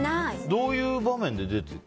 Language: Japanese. どういう場面で？